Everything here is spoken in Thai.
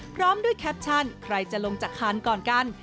พร้อมด้วยแคปชั่นใครจะลงจากคานก่อนกัน